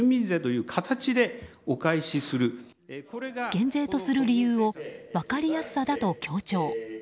減税とする理由を分かりやすさだと強調。